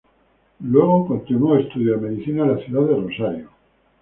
Luego continuo estudios de Medicina en la ciudad de Rosario.